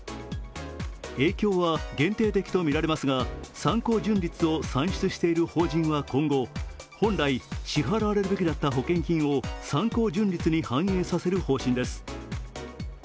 影響は限定的とみられますが、参考純率を算出している法人は今後、本来、支払われるべきだった保険金を参考純率に反映させる方針です。